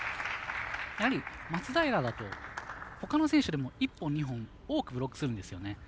やはり、松平だとほかの選手でも１本、２本多くブロックするんですよね。